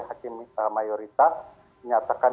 hakim mayoritas menyatakan